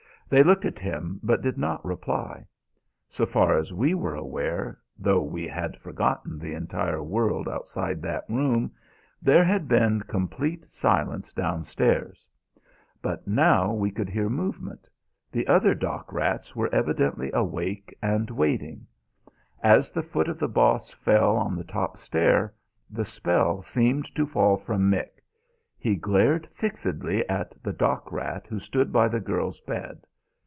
They looked at him, but did not reply. So far as we were aware, though we had forgotten the entire world outside that room, there had been complete silence downstairs; but now we could hear movement. The other dock rats were evidently awake and waiting. As the foot of the Boss fell on the top stair, the spell seemed to fall from Mick. He glared fixedly at the dock rat who stood by the girl's bed.